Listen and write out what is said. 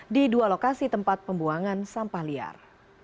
di dua lokasi tempat pembuangan sampah liar